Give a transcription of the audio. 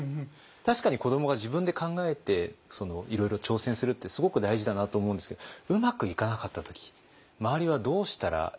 確かに子どもが自分で考えていろいろ挑戦するってすごく大事だなと思うんですけどうまくいかなかった時周りはどうしたらいいのかということ。